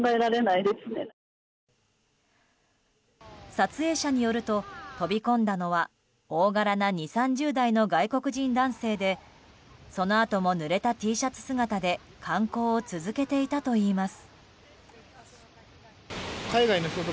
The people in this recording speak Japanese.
撮影者によると飛び込んだのは大柄な２０３０代の外国人男性で、そのあともぬれたＴシャツ姿で観光を続けていたといいます。